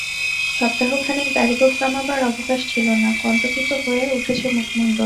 সপ্তাহখানেক দাড়িগোঁফ কামাবার অবকাশ ছিল না, কণ্টকিত হয়ে উঠেছে মুখমণ্ডল।